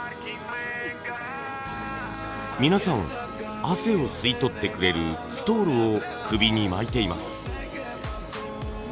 皆さん汗を吸い取ってくれるストールを首に巻いています。